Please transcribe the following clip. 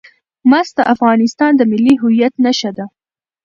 مس د افغانستان د ملي هویت نښه ده.